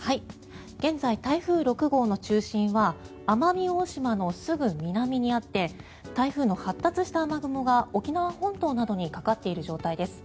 現在、台風６号の中心は奄美大島のすぐ南にあって台風の発達した雨雲が沖縄本島などにかかっている状態です。